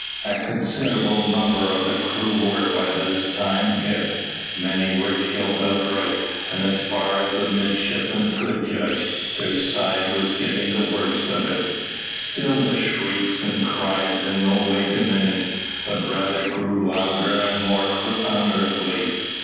A considerable number of the crew were by this time hit; many were killed outright, and as far as the midshipmen could judge, their side was getting the worst of it. Still the shrieks and cries in no way diminished, but rather grew louder and more unearthly.